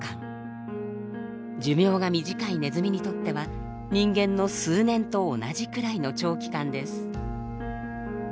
寿命が短いネズミにとっては人間の数年と同じくらいの長期間です。